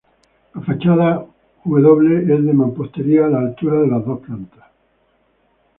La fachada W es de mampostería a la altura de las dos plantas.